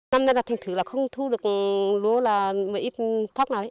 năm nay là thỉnh thử là không thu được lúa là một ít thóc nào đấy